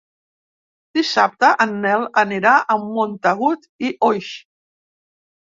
Dissabte en Nel anirà a Montagut i Oix.